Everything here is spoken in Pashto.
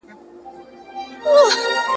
کوټه د یوې نوې تجربې شاهده وه.